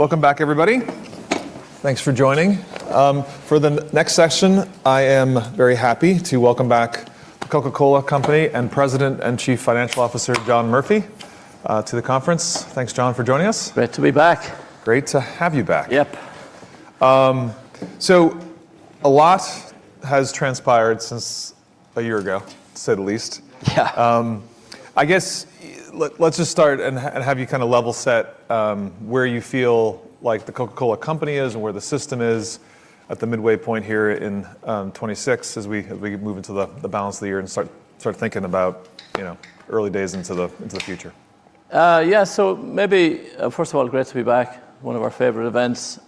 Welcome back, everybody. Thanks for joining. For the next session, I am very happy to welcome back The Coca-Cola Company and President and Chief Financial Officer, John Murphy, to the conference. Thanks, John, for joining us. Great to be back. Great to have you back. Yep. A lot has transpired since a year ago, to say the least. Yeah. I guess, let's just start and have you kind of level set where you feel like The Coca-Cola Company is and where the system is at the midway point here in 2026 as we move into the balance of the year and start thinking about early days into the future. Yeah. First of all, great to be back. One of our favorite events.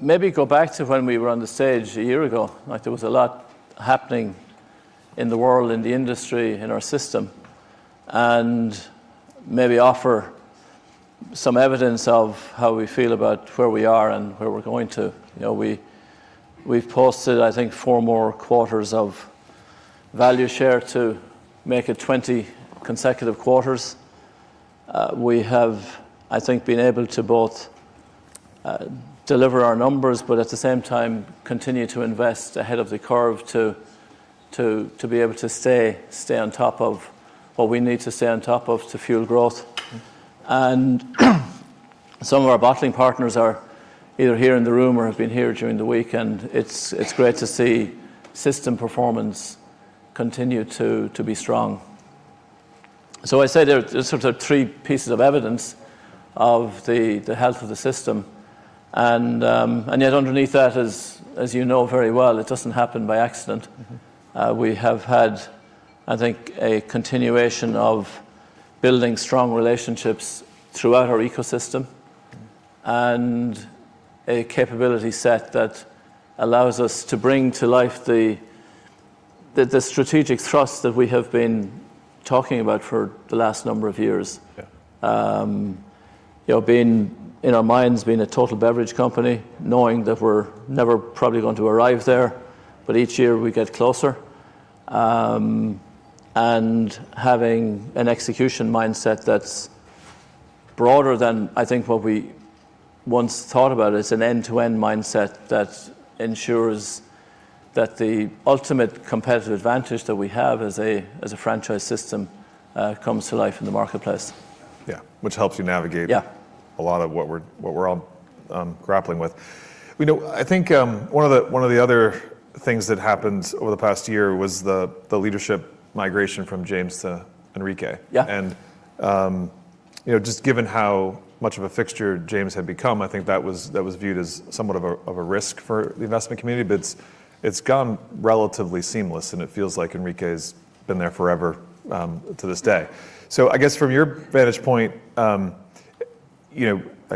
Maybe go back to when we were on the stage a year ago. There was a lot happening in the world, in the industry, in our system. Maybe offer some evidence of how we feel about where we are and where we're going to. We've posted, I think, four more quarters of value share to make it 20 consecutive quarters. We have, I think, been able to both deliver our numbers, but at the same time, continue to invest ahead of the curve to be able to stay on top of what we need to stay on top of to fuel growth. Some of our bottling partners are either here in the room or have been here during the week, and it's great to see system performance continue to be strong. I say there are sort of three pieces of evidence of the health of the system, and yet underneath that, as you know very well, it doesn't happen by accident. We have had, I think, a continuation of building strong relationships throughout our ecosystem, and a capability set that allows us to bring to life the strategic thrust that we have been talking about for the last number of years. Yeah. In our minds, being a total beverage company, knowing that we're never probably going to arrive there, but each year we get closer. Having an execution mindset that's broader than, I think, what we once thought about. It's an end-to-end mindset that ensures that the ultimate competitive advantage that we have as a franchise system comes to life in the marketplace. Yeah. Which helps you navigate. Yeah. A lot of what we're all grappling with. I think one of the other things that happened over the past year was the leadership migration from James to Henrique. Yeah. Just given how much of a fixture James had become, I think that was viewed as somewhat of a risk for the investment community. It's gone relatively seamless, and it feels like Henrique's been there forever to this day. I guess from your vantage point,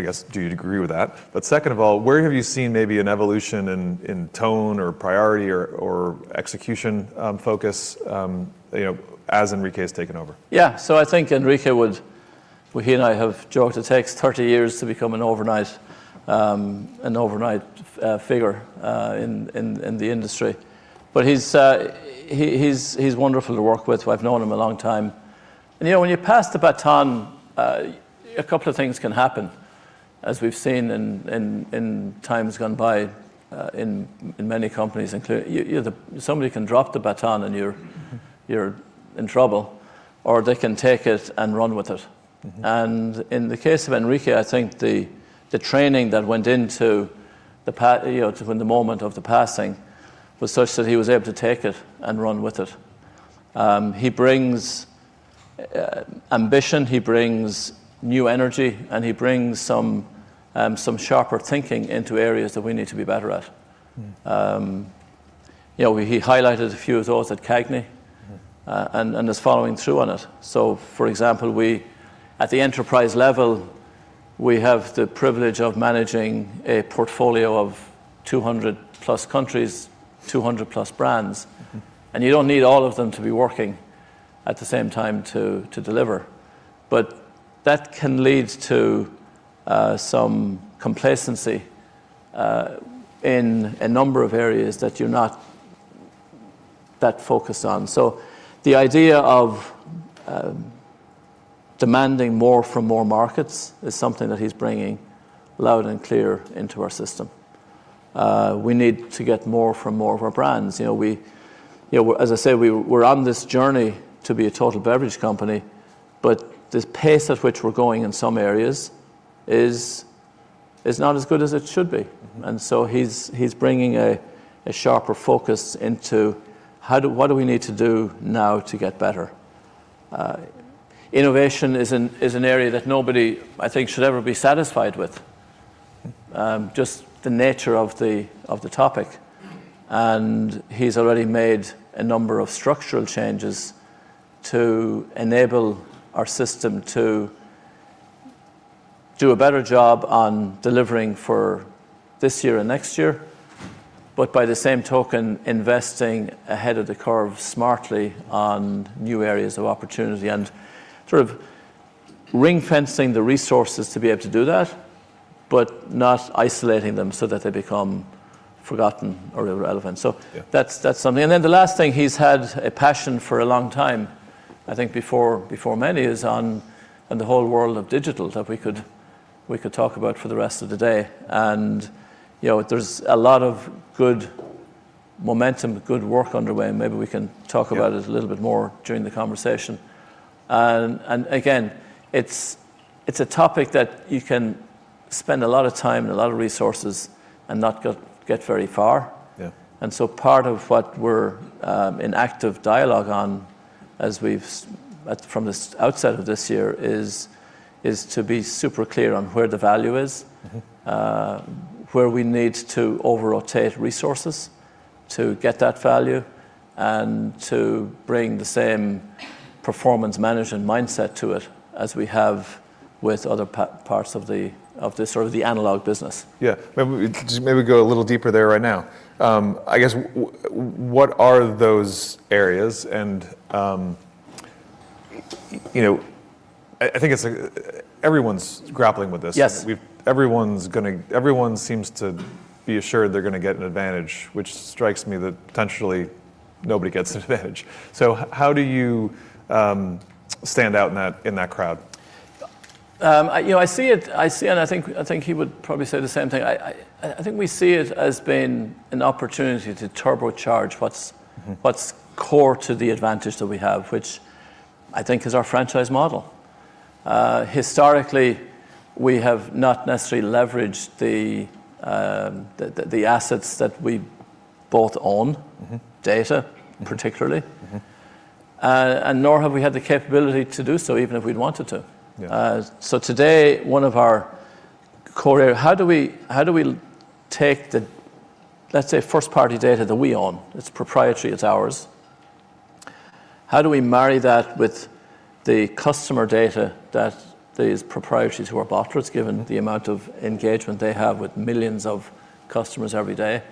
do you agree with that? Second of all, where have you seen maybe an evolution in tone or priority or execution focus as Henrique's taken over? I think Henrique, he and I have joked it takes 30 years to become an overnight figure in the industry. He's wonderful to work with. I've known him a long time. When you pass the baton, a couple of things can happen, as we've seen in times gone by in many companies including somebody can drop the baton and you're in trouble, or they can take it and run with it. In the case of Henrique, I think the training that went into the moment of the passing was such that he was able to take it and run with it. He brings ambition, he brings new energy, and he brings some sharper thinking into areas that we need to be better at. He highlighted a few of those at CAGNY. Is following through on it. For example, at the enterprise level, we have the privilege of managing a portfolio of 200+ countries, 200+ brands. You don't need all of them to be working at the same time to deliver. That can lead to some complacency in a number of areas that you're not that focused on. The idea of demanding more from more markets is something that he's bringing loud and clear into our system. We need to get more from more of our brands. As I say, we're on this journey to be a total beverage company, but this pace at which we're going in some areas is not as good as it should be. He's bringing a sharper focus into what do we need to do now to get better. Innovation is an area that nobody, I think, should ever be satisfied with. Just the nature of the topic. He's already made a number of structural changes to enable our system to do a better job on delivering for this year and next year. By the same token, investing ahead of the curve smartly on new areas of opportunity, and sort of ring fencing the resources to be able to do that. Not isolating them so that they become forgotten or irrelevant. Yeah. That's something. Then the last thing, he's had a passion for a long time, I think before many, is on the whole world of digital that we could talk about for the rest of the day. There's a lot of good momentum, good work underway, and maybe we can talk about it. Yeah. A little bit more during the conversation. Again, it's a topic that you can spend a lot of time and a lot of resources and not get very far. Yeah. Part of what we're in active dialogue on from the outset of this year is to be super clear on where the value is. Where we need to over-rotate resources to get that value, and to bring the same performance management mindset to it as we have with other parts of the sort of the analog business. Yeah. Maybe go a little deeper there right now. I guess, what are those areas? I think everyone's grappling with this. Yes. Everyone seems to be assured they're going to get an advantage, which strikes me that potentially nobody gets an advantage. How do you stand out in that crowd? I see it, and I think he would probably say the same thing, I think we see it as being an opportunity to turbocharge. Core to the advantage that we have, which I think is our franchise model. Historically, we have not necessarily leveraged the assets that we bought. Data particularly. Nor have we had the capability to do so, even if we'd wanted to. Yeah. Today, one of our core area, how do we take the, let's say, first-party data that we own? It's proprietary, it's ours. How do we marry that with the customer data that these proprietors who are bottlers, given the amount of engagement they have with millions of customers every day?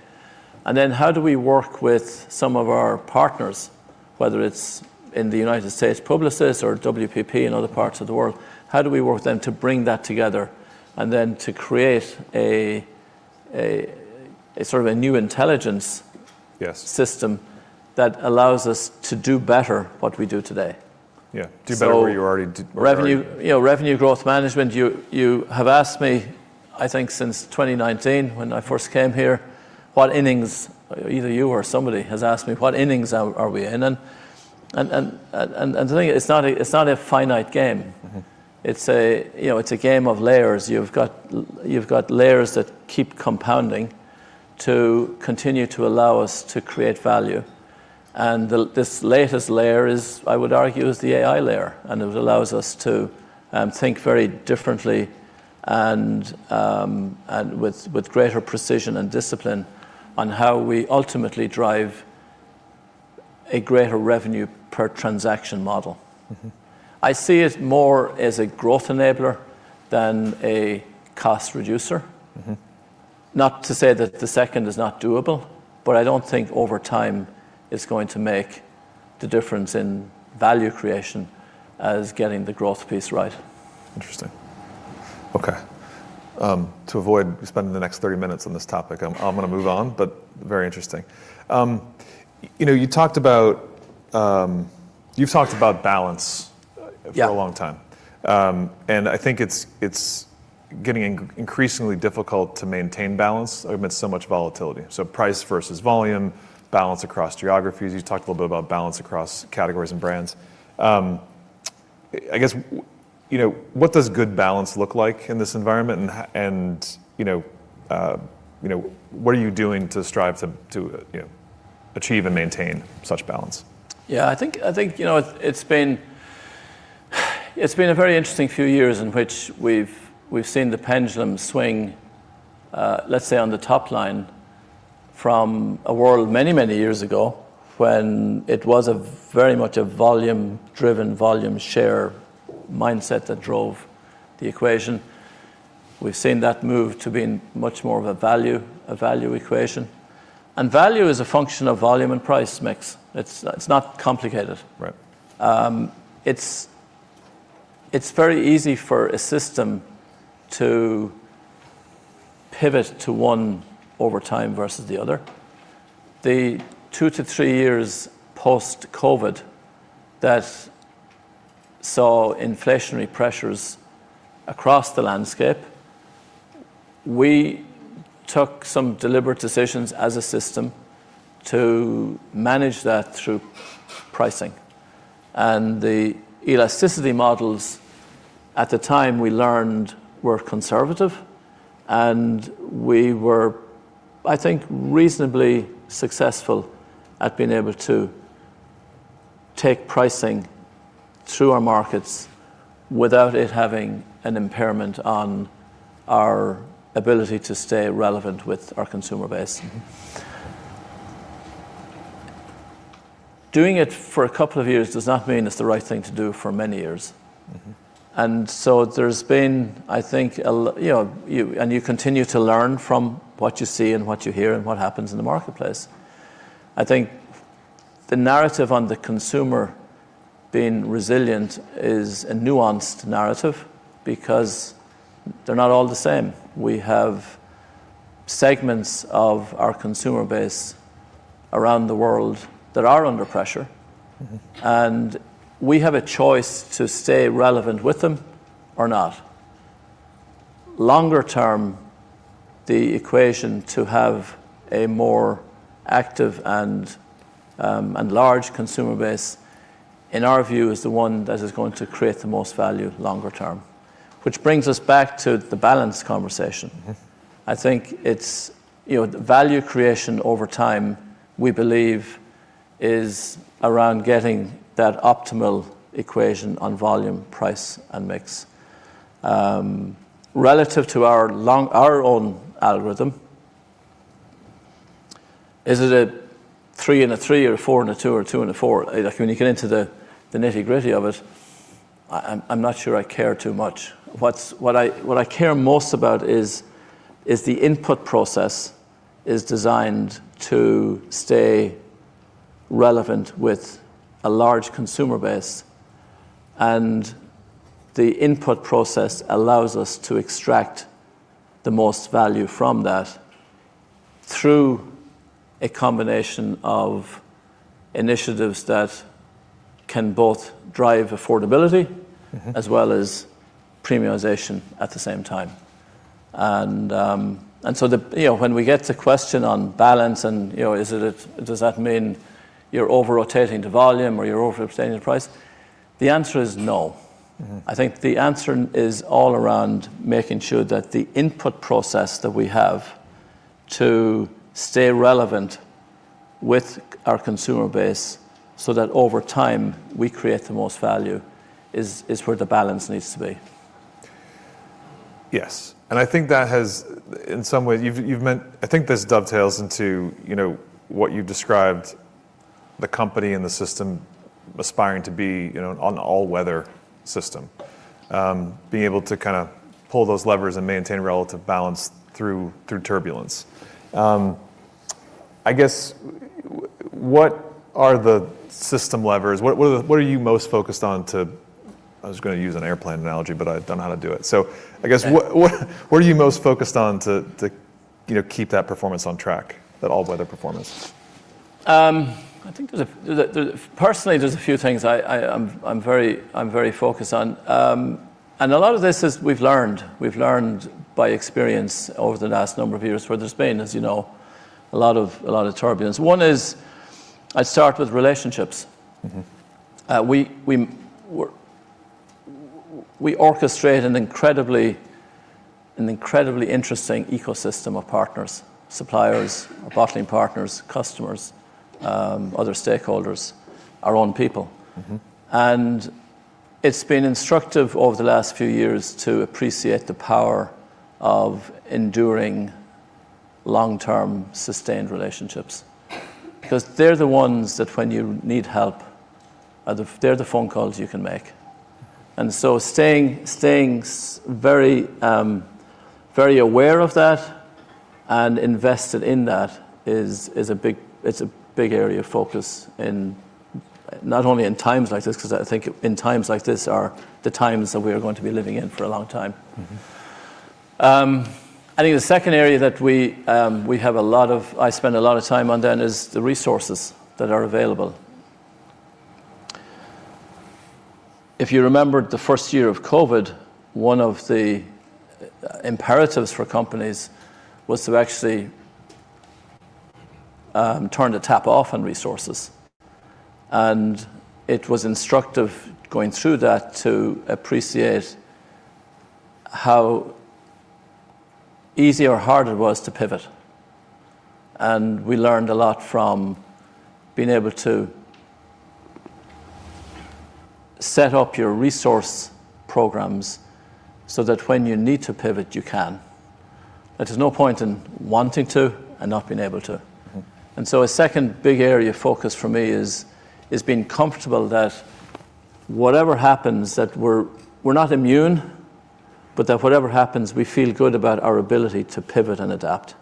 How do we work with some of our partners, whether it's in the U.S. Publicis or WPP in other parts of the world, how do we work then to bring that together and then to create a sort of a new intelligence. Yes. System that allows us to do better what we do today? Yeah. Do better what you already do. Revenue Growth Management. You have asked me, I think since 2019 when I first came here, what innings, either you or somebody, has asked me what innings are we in. The thing is, it's not a finite game. It's a game of layers. You've got layers that keep compounding to continue to allow us to create value. This latest layer is, I would argue, is the AI layer, and it allows us to think very differently and with greater precision and discipline on how we ultimately drive a greater revenue per transaction model. I see it more as a growth enabler than a cost reducer. Not to say that the second is not doable, but I don't think over time it's going to make the difference in value creation as getting the growth piece right. Interesting. Okay. To avoid spending the next 30 minutes on this topic, I'm going to move on, but very interesting. You've talked about balance. Yeah. For a long time. I think it's getting increasingly difficult to maintain balance amidst so much volatility. Price versus volume, balance across geographies. You talked a little bit about balance across categories and brands. I guess, what does good balance look like in this environment, and what are you doing to strive to achieve and maintain such balance? Yeah. I think it's been a very interesting few years in which we've seen the pendulum swing, let's say, on the top line from a world many years ago when it was a very much a volume-driven, volume-share mindset that drove the equation. We've seen that move to being much more of a value equation. Value is a function of volume and price mix. It's not complicated. Right. It's very easy for a system to pivot to one over time versus the other. The two to three years post-COVID that saw inflationary pressures across the landscape, we took some deliberate decisions as a system to manage that through pricing. The elasticity models at the time we learned were conservative, and we were, I think, reasonably successful at being able to take pricing through our markets without it having an impairment on our ability to stay relevant with our consumer base. Doing it for a couple of years does not mean it's the right thing to do for many years. You continue to learn from what you see and what you hear and what happens in the marketplace. The narrative on the consumer being resilient is a nuanced narrative because they're not all the same. We have segments of our consumer base around the world that are under pressure, and we have a choice to stay relevant with them or not. Longer term, the equation to have a more active and large consumer base, in our view, is the one that is going to create the most value longer term. Which brings us back to the balance conversation. I think value creation over time, we believe, is around getting that optimal equation on volume, price, and mix. Relative to our own algorithm, is it a three and a three or a four and a two, or a two and a four? When you get into the nitty-gritty of it, I'm not sure I care too much. What I care most about is the input process is designed to stay relevant with a large consumer base, and the input process allows us to extract the most value from that through a combination of initiatives that can both drive affordability as well as premiumization at the same time. When we get to question on balance and does that mean you're over-rotating to volume or you're over-rotating to price? The answer is no. I think the answer is all around making sure that the input process that we have to stay relevant with our consumer base, so that over time we create the most value is where the balance needs to be. Yes. I think that has, in some way, I think this dovetails into what you've described the company and the system aspiring to be an all-weather system. Being able to pull those levers and maintain relative balance through turbulence. I guess, what are the system levers? What are you most focused on to I was going to use an airplane analogy, but I don't know how to do it. I guess what are you most focused on to keep that performance on track, that all-weather performance? I think personally, there's a few things I'm very focused on. A lot of this is we've learned by experience over the last number of years, where there's been, as you know, a lot of turbulence. One is I start with relationships. We orchestrate an incredibly interesting ecosystem of partners, suppliers, bottling partners, customers, other stakeholders, our own people. It's been instructive over the last few years to appreciate the power of enduring long-term sustained relationships. Because they're the ones that when you need help, they're the phone calls you can make. Staying very aware of that and invested in that is a big area of focus in not only in times like this, because I think in times like this are the times that we are going to be living in for a long time. I think the second area that I spend a lot of time on then is the resources that are available. If you remember the first year of COVID, one of the imperatives for companies was to actually turn the tap off on resources, and it was instructive going through that to appreciate how easy or hard it was to pivot. We learned a lot from being able to set up your resource programs so that when you need to pivot, you can. There's no point in wanting to and not being able to. A second big area of focus for me is being comfortable that whatever happens, that we're not immune, but that whatever happens, we feel good about our ability to pivot and adapt.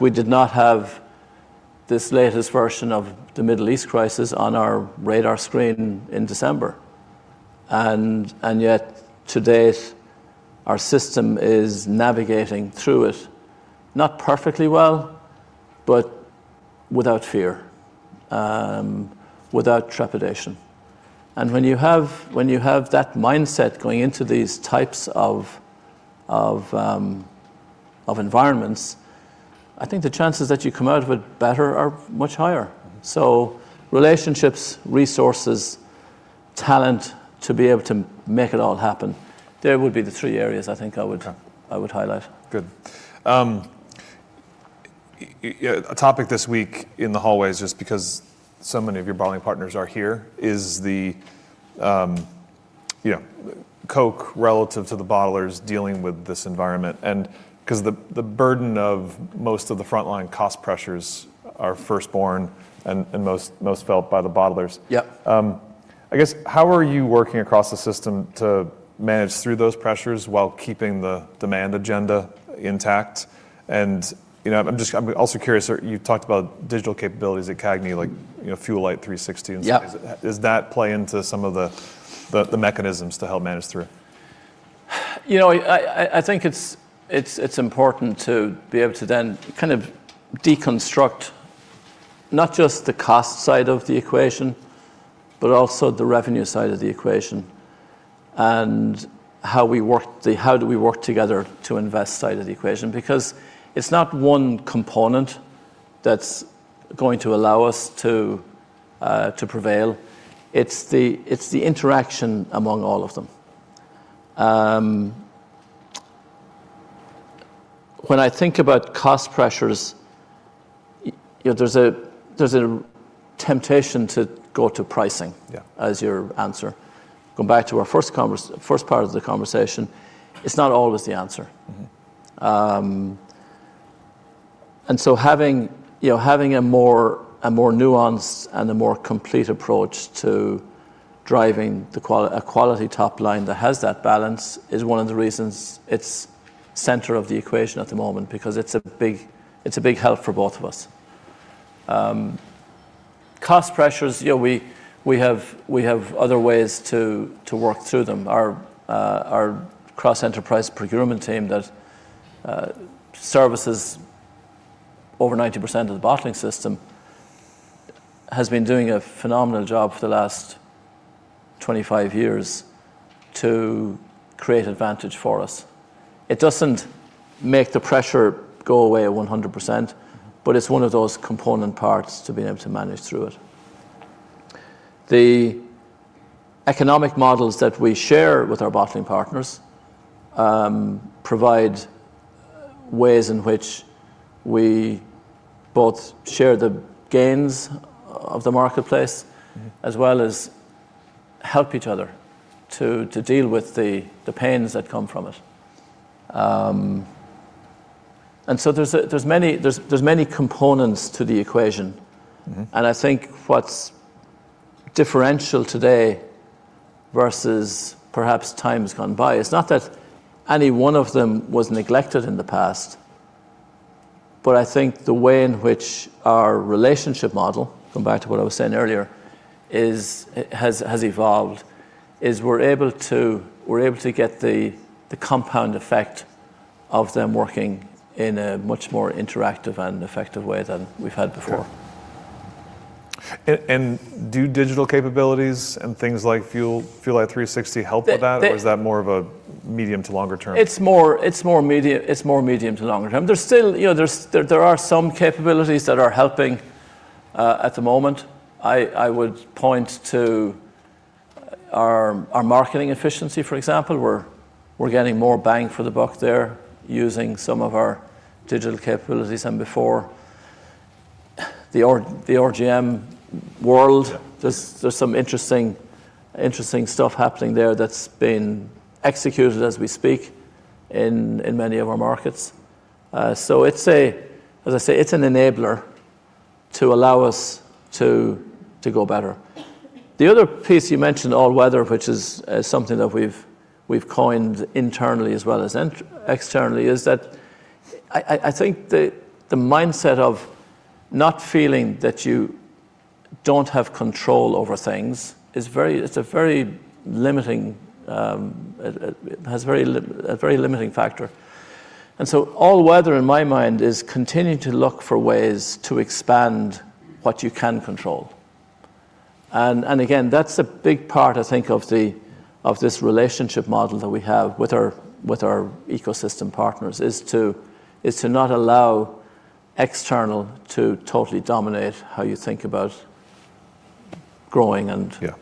We did not have this latest version of the Middle East crisis on our radar screen in December. Yet to date, our system is navigating through it, not perfectly well, but without fear, without trepidation. When you have that mindset going into these types of environments, I think the chances that you come out of it better are much higher. Relationships, resources, talent to be able to make it all happen. They would be the three areas I think I would highlight. Good. A topic this week in the hallways, just because so many of your bottling partners are here, is the Coke relative to the bottlers dealing with this environment. Because the burden of most of the frontline cost pressures are first born and most felt by the bottlers. Yep. I guess, how are you working across the system to manage through those pressures while keeping the demand agenda intact? I'm also curious, you talked about digital capabilities at CAGNY, like Fuelight 360 and so on. Yeah. Does that play into some of the mechanisms to help manage through? I think it's important to be able to then kind of deconstruct not just the cost side of the equation, but also the revenue side of the equation, and how do we work together to invest side of the equation. Because it's not one component that's going to allow us to prevail. It's the interaction among all of them. When I think about cost pressures, there's a temptation to go to pricing. Yeah. As your answer. Going back to our first part of the conversation, it's not always the answer. Having a more nuanced and a more complete approach to driving a quality top line that has that balance is one of the reasons it's center of the equation at the moment, because it's a big help for both of us. Cost pressures, we have other ways to work through them. Our cross-enterprise procurement team that services over 90% of the bottling system has been doing a phenomenal job for the last 25 years to create advantage for us. It doesn't make the pressure go away 100%, but it's one of those component parts to being able to manage through it. The economic models that we share with our bottling partners provide ways in which we both share the gains of the marketplace as well as help each other to deal with the pains that come from it. There's many components to the equation. I think what's differential today versus perhaps times gone by, it's not that any one of them was neglected in the past, but I think the way in which our relationship model, going back to what I was saying earlier, has evolved, is we're able to get the compound effect of them working in a much more interactive and effective way than we've had before. Sure. Do digital capabilities and things like Fuelight 360 help with that? Or is that more of a medium to longer term? It's more medium to longer term. There are some capabilities that are helping at the moment. I would point to our marketing efficiency, for example. We're getting more bang for the buck there using some of our digital capabilities. Before, the RGM world. Yeah. There's some interesting stuff happening there that's been executed as we speak in many of our markets. As I say, it's an enabler to allow us to go better. The other piece you mentioned, all-weather, which is something that we've coined internally as well as externally, is that I think the mindset of not feeling that you don't have control over things, it's a very limiting factor. All-weather, in my mind, is continuing to look for ways to expand what you can control. Again, that's a big part, I think, of this relationship model that we have with our ecosystem partners, is to not allow external to totally dominate how you think about growing. Yeah.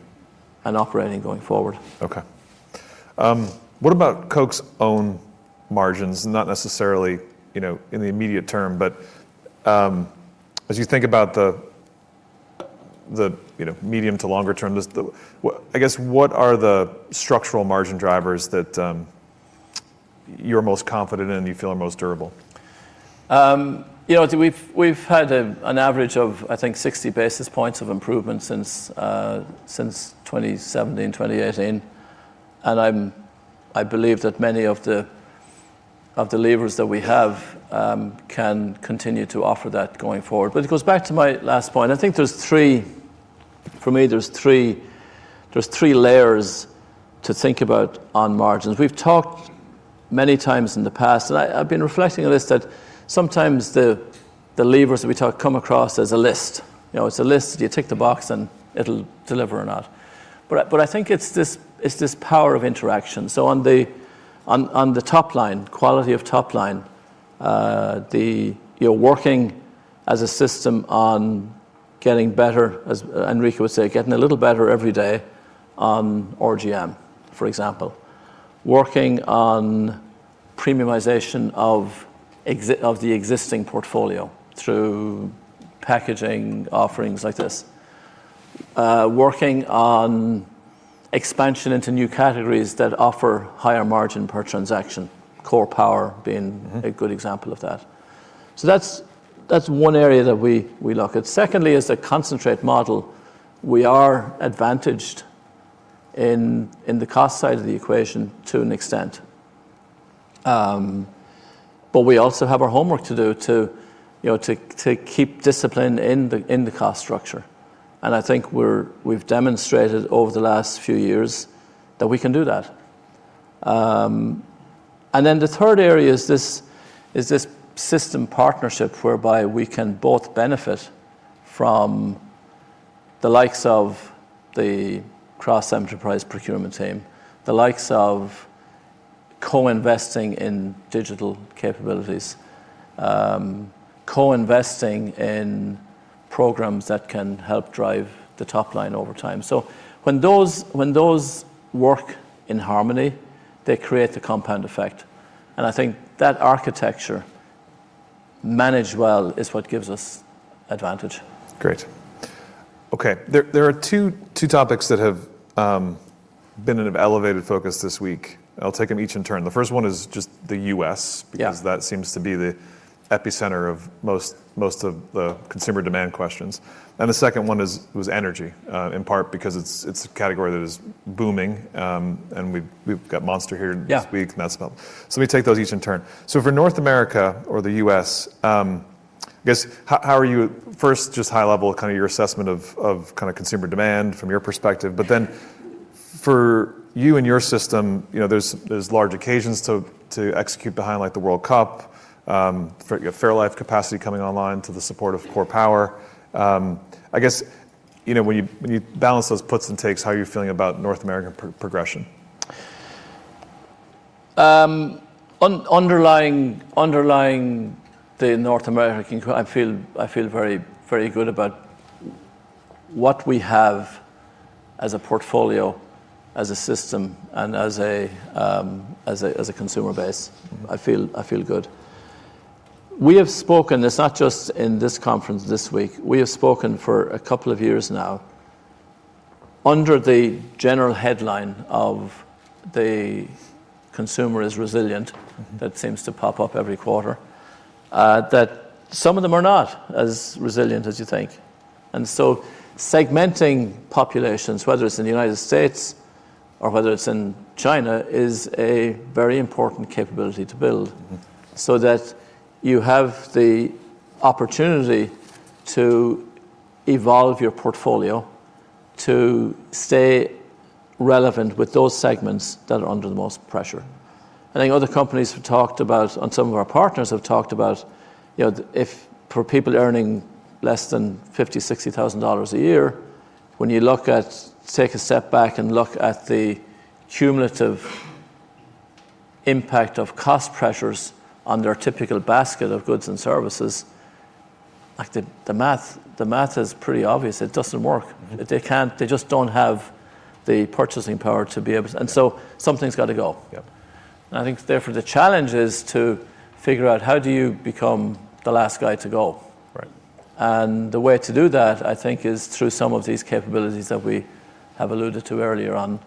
Operating going forward. Okay. What about Coke's own margins? Not necessarily in the immediate term, but as you think about the medium to longer term, I guess, what are the structural margin drivers that you're most confident in and you feel are most durable? We've had an average of, I think, 60 basis points of improvement since 2017, 2018. I believe that many of the levers that we have can continue to offer that going forward. It goes back to my last point. I think, for me, there's three layers to think about on margins. We've talked many times in the past, and I've been reflecting on this, that sometimes the levers that we talk come across as a list. It's a list, you tick the box, and it'll deliver or not. I think it's this power of interaction. On the top line, quality of top line, you're working as a system on getting better, as Henrique would say, "Getting a little better every day" on RGM, for example. Working on premiumization of the existing portfolio through packaging offerings like this. Working on expansion into new categories that offer higher margin per transaction, Core Power being a good example of that. So that's one area that we look at. Secondly is the concentrate model. We are advantaged in the cost side of the equation to an extent. We also have our homework to do to keep discipline in the cost structure. I think we've demonstrated over the last few years that we can do that. The third area is this system partnership whereby we can both benefit from the likes of the cross-enterprise procurement team, the likes of co-investing in digital capabilities, co-investing in programs that can help drive the top line over time. When those work in harmony, they create the compound effect. I think that architecture, managed well, is what gives us advantage. Great. Okay. There are two topics that have been in an elevated focus this week. I'll take them each in turn. The first one is just the U.S. Yeah. Because that seems to be the epicenter of most of the consumer demand questions. The second one was energy, in part because it's a category that is booming, and we've got Monster here. Yeah. This week. Let me take those each in turn. For North America or the U.S., how are you, first, just high level, your assessment of consumer demand from your perspective, but then for you and your system, there's large occasions to execute behind, like the World Cup, fairlife capacity coming online to the support of Core Power. When you balance those puts and takes, how are you feeling about North American progression? Underlying the North American, I feel very good about what we have as a portfolio, as a system, and as a consumer base. I feel good. We have spoken, it's not just in this conference this week, we have spoken for a couple of years now, under the general headline of the consumer is resilient, that seems to pop up every quarter, that some of them are not as resilient as you think. Segmenting populations, whether it's in the United States or whether it's in China, is a very important capability to build so that you have the opportunity to evolve your portfolio, to stay relevant with those segments that are under the most pressure. I think other companies have talked about, and some of our partners have talked about, if for people earning less than $50,000, $60,000 a year, when you take a step back and look at the cumulative impact of cost pressures on their typical basket of goods and services, like the math is pretty obvious. It doesn't work. They just don't have the purchasing power to be able to. Something's got to go. Yep. I think therefore the challenge is to figure out how do you become the last guy to go. Right. The way to do that, I think, is through some of these capabilities that we have alluded to earlier on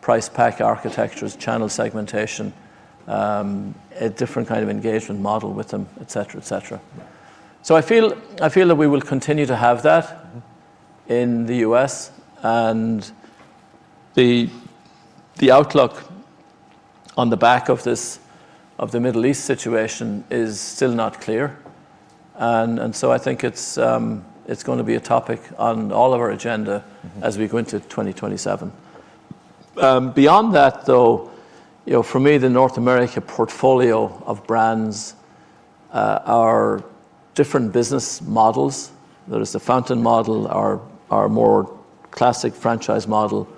price pack architectures, channel segmentation, a different kind of engagement model with them, et cetera. I feel that we will continue to have that in the U.S., and the outlook on the back of the Middle East situation is still not clear. I think it's going to be a topic on all of our agenda as we go into 2027. Beyond that though, for me, the North America portfolio of brands are different business models. There is the fountain model, our more classic franchise model.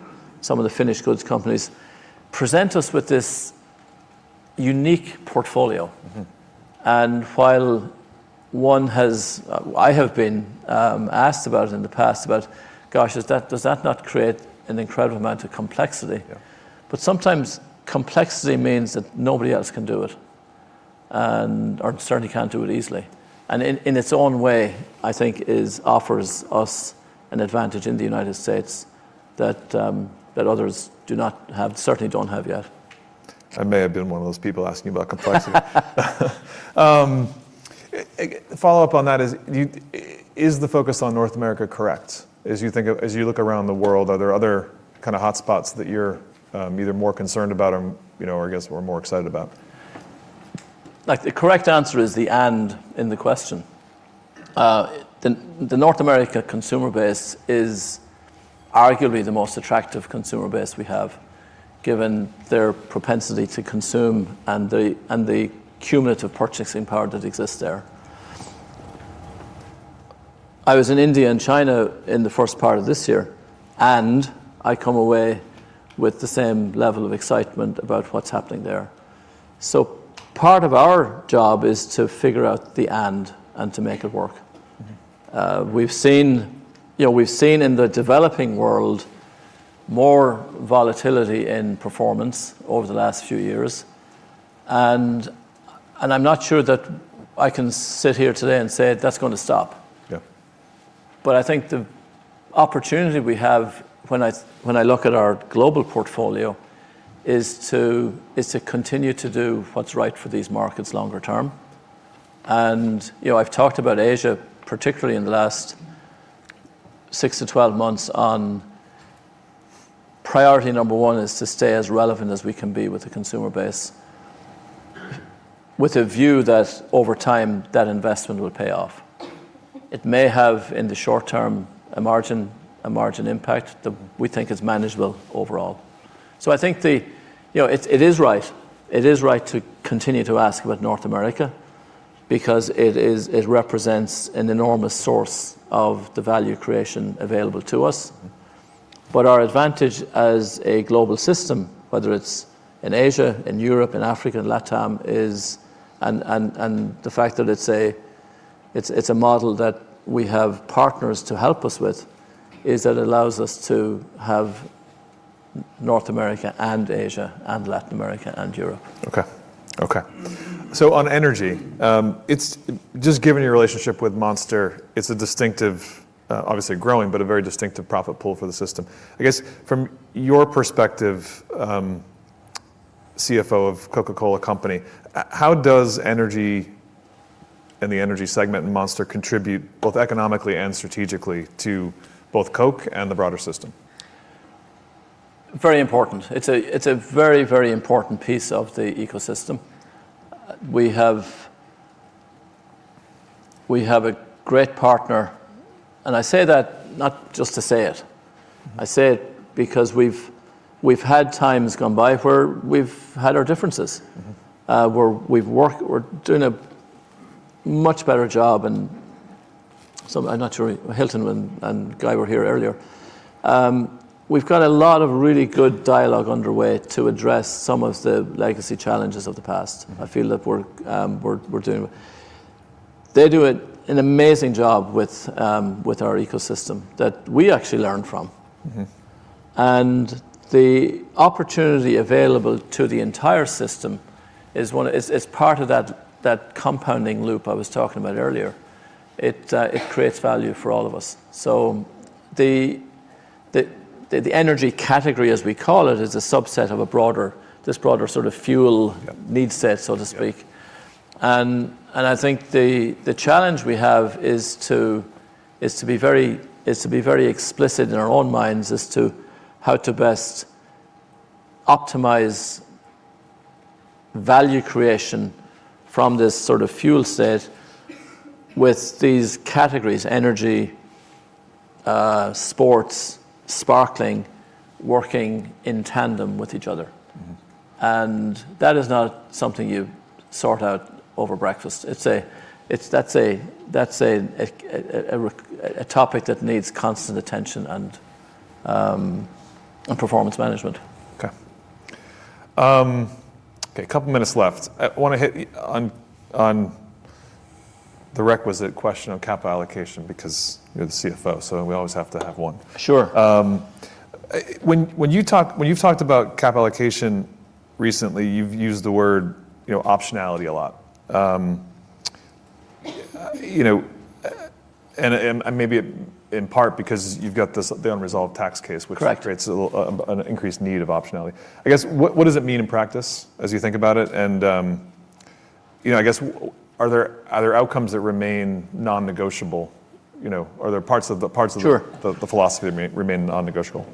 Some of the finished goods companies present us with this unique portfolio. While I have been asked about it in the past about, gosh, does that not create an incredible amount of complexity? Yeah. Sometimes complexity means that nobody else can do it, or certainly can't do it easily. In its own way, I think offers us an advantage in the United States that others do not have, certainly don't have yet. I may have been one of those people asking you about complexity. Follow-up on that is the focus on North America correct? As you look around the world, are there other hotspots that you're either more concerned about or I guess we're more excited about? Like the correct answer is the and in the question. The North America consumer base is arguably the most attractive consumer base we have, given their propensity to consume and the cumulative purchasing power that exists there. I was in India and China in the first part of this year, I come away with the same level of excitement about what's happening there. Part of our job is to figure out the and to make it work. We've seen in the developing world more volatility in performance over the last few years, and I'm not sure that I can sit here today and say that's going to stop. Yeah. I think the opportunity we have when I look at our global portfolio is to continue to do what's right for these markets longer term. I've talked about Asia, particularly in the last 6-12 months, on priority number one is to stay as relevant as we can be with the consumer base, with a view that over time, that investment will pay off. It may have, in the short term, a margin impact that we think is manageable overall. I think it is right to continue to ask about North America, because it represents an enormous source of the value creation available to us. Our advantage as a global system, whether it's in Asia, in Europe, in Africa, and LATAM, and the fact that it's a model that we have partners to help us with, is it allows us to have North America and Asia and Latin America and Europe. On energy, just given your relationship with Monster, it's obviously growing, but a very distinctive profit pool for the system. I guess from your perspective, CFO of The Coca-Cola Company, how does energy and the energy segment in Monster contribute both economically and strategically to both Coke and the broader system? Very important. It's a very important piece of the ecosystem. We have a great partner, and I say that not just to say it. I say it because we've had times gone by where we've had our differences. We're doing a much better job and, I'm not sure, Hilton and Guy were here earlier. We've got a lot of really good dialogue underway to address some of the legacy challenges of the past. They're doing an amazing job with our ecosystem that we actually learn from. The opportunity available to the entire system is part of that compounding loop I was talking about earlier. It creates value for all of us. The energy category, as we call it, is a subset of this broader sort of fuel need set, so to speak. Yeah. I think the challenge we have is to be very explicit in our own minds as to how to best optimize value creation from this sort of fuel set with these categories, energy, sports, sparkling, working in tandem with each other. That is not something you sort out over breakfast. That's a topic that needs constant attention and performance management. Okay. A couple of minutes left. I want to hit on the requisite question of capital allocation, because you're the CFO, so we always have to have one. Sure. When you've talked about capital allocation recently, you've used the word optionality a lot. Maybe in part because you've got the unresolved tax case. Correct. Which creates an increased need of optionality. I guess, what does it mean in practice as you think about it? I guess, are there outcomes that remain non-negotiable? Sure. Philosophy that remain non-negotiable?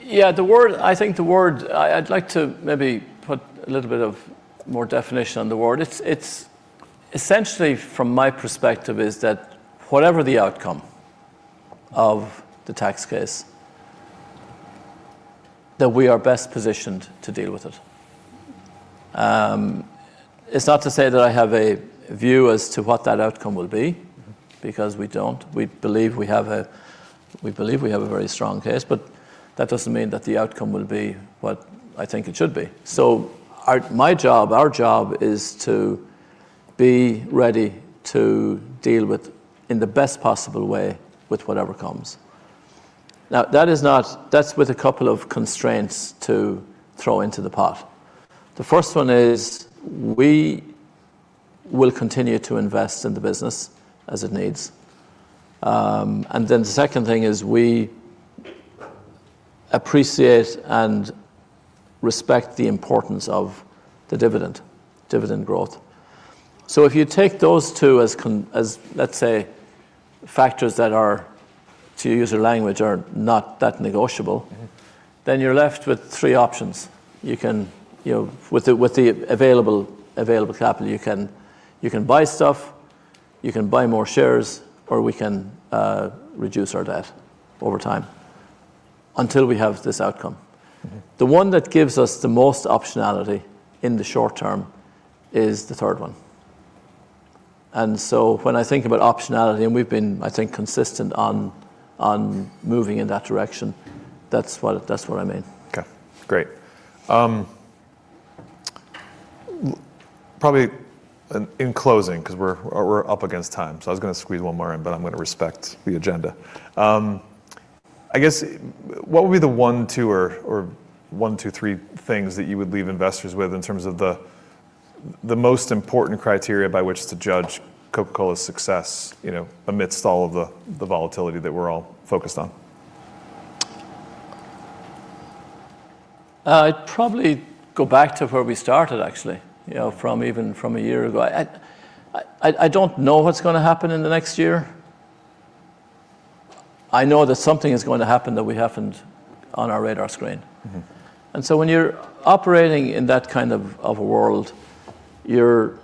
Yeah, I'd like to maybe put a little bit of more definition on the word. It's essentially, from my perspective, is that whatever the outcome of the tax case, that we are best positioned to deal with it. It's not to say that I have a view as to what that outcome will be, because we don't. We believe we have a very strong case, that doesn't mean that the outcome will be what I think it should be. My job, our job, is to be ready to deal with, in the best possible way, with whatever comes. Now, that's with a couple of constraints to throw into the pot. The first one is we will continue to invest in the business as it needs. The second thing is we appreciate and respect the importance of the dividend growth. If you take those two as, let's say, factors that are, to use your language, not that negotiable. You're left with three options. With the available capital, you can buy stuff, you can buy more shares, or we can reduce our debt over time until we have this outcome. The one that gives us the most optionality in the short term is the third one. When I think about optionality, and we've been, I think, consistent on moving in that direction, that's what I mean. Okay, great. Probably in closing, because we're up against time, so I was going to squeeze one more in, but I'm going to respect the agenda. I guess, what would be the one tip or one to three things that you would leave investors with in terms of the most important criteria by which to judge Coca-Cola's success amidst all of the volatility that we're all focused on? I'd probably go back to where we started, actually, even from a year ago. I don't know what's going to happen in the next year. I know that something is going to happen that we haven't on our radar screen. When you're operating in that kind of a world, your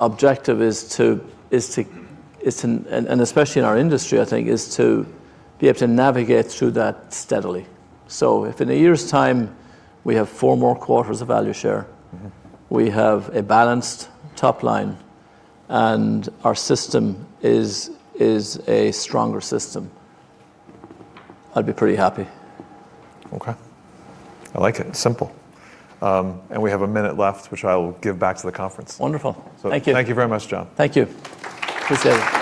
objective is to, and especially in our industry I think, is to be able to navigate through that steadily. If in a year's time we have four more quarters of value share. We have a balanced top line. Our system is a stronger system, I'd be pretty happy. Okay. I like it. It's simple. We have a minute left, which I will give back to the conference. Wonderful. Thank you. Thank you very much, John. Thank you. Appreciate it.